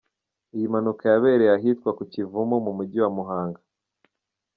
Iyi mpanuka yabereye ahitwa ku Kivumu mu Mujyi wa Muhanga.